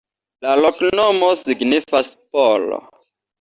La loknomo signifas: polo.